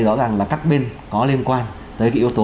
rõ ràng là các bên có liên quan tới cái yếu tố